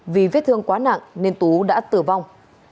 vì vết thương quá nặng nên tú đã tử vong